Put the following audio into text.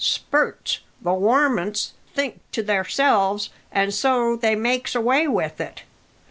Spurts, the warmints thinks to theirselves, an' so they makes away with _it.